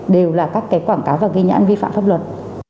đều là các cái quảng cáo và ghi nhãn vi phạm pháp luật